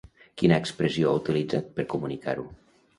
Quina expressió ha utilitzat per comunicar-ho?